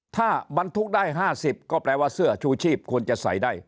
ถ้าบรรทุกได้๕๐ก็แปลว่าเสื้อชูชีพควรจะใส่ได้